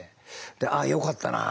「ああよかったなあ」